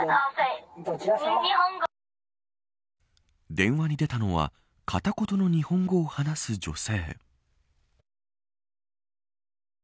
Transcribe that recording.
電話に出たのは片言の日本語を話す女性。